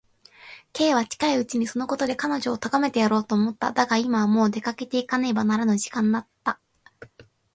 Ｋ は近いうちにそのことで彼女をとがめてやろうと思った。だが、今はもう出かけていかねばならぬ時間だった。